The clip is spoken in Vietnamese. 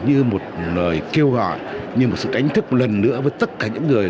như một lời kêu gọi như một sự đánh thức lần nữa với tất cả những người